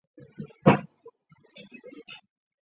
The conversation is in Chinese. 现为乐金集团旗下的公司之一。